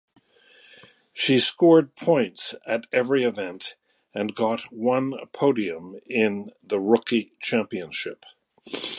He scored points at every event and got one podium in the rookie championship.